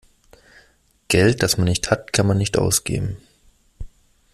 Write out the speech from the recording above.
Geld, das man nicht hat, kann man nicht ausgeben.